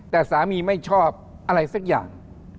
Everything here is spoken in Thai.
แต่สามีไม่ชอบอะไรสักอย่าง